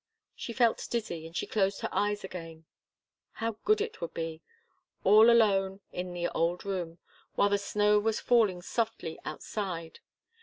She felt dizzy, and she closed her eyes again. How good it would be! All alone, in the old room, while the snow was falling softly outside.